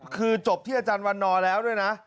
คือจบที่อาจารย์วันนอร์แล้วด้วยนะ